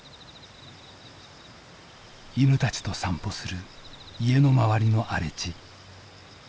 犬たちと散歩する家の周りの荒れ地。